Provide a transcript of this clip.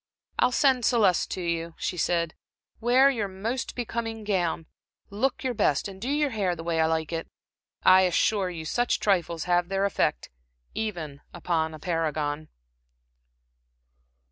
"I'll send Celeste to you," she said. "Wear your most becoming gown. Look your best, and do your hair the way I like it. I assure you, such trifles have their effect even upon a paragon."